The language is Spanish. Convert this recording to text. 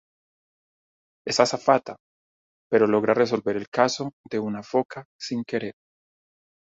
Es azafata, pero logra resolver el caso de una foca sin querer.